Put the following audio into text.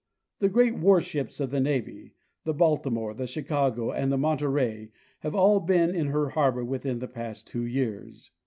The great warships of the navy, the Baltimore, the Chicago and the Monterey, have all been in her harbor within the past two years.